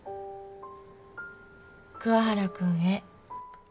「桑原君へ」